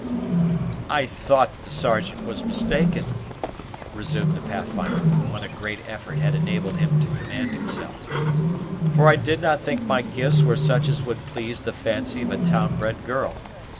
"I thought the Sergeant was mistaken," resumed the Pathfinder, when a great effort had enabled him to command himself, "for I did not think my gifts were such as would please the fancy of a town bred girl.